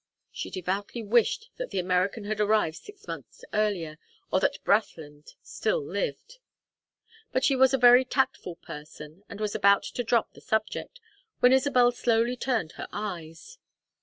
She devoutly wished that the American had arrived six months earlier, or that Brathland still lived. But she was a very tactful person and was about to drop the subject, when Isabel slowly turned her eyes.